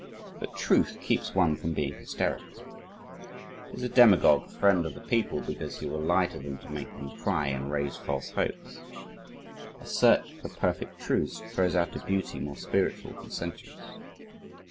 But truth keeps one from being hysterical. Is a demagogue a friend of the people because he will lie to them to make them cry and raise false hopes? A search for perfect truths throws out a beauty more spiritual than sensuous.